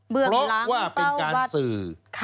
เบือกหลังเป้าวัดเพราะว่าเป็นการสื่อ